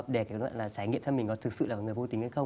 để trải nghiệm cho mình có thực sự là người vô tính hay không